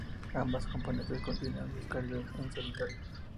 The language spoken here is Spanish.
Ambas componentes continúan sus carreras en solitario.